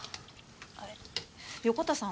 あれっ横田さん